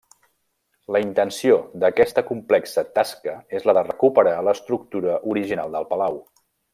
La intenció d'aquesta complexa tasca és la de recuperar l'estructura original del palau.